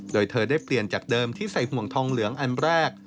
โดยเธอได้เปลี่ยนจากเดิมที่ใส่ห่วงทองเหลืองอันแรก